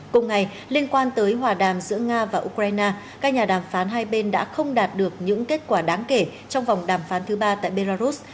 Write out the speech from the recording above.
cùng ngày liên quan tới hòa đàm giữa nga và ukraine các nhà đàm phán hai bên đã không đạt được những kết quả đáng kể trong vòng đàm phán thứ ba tại belarus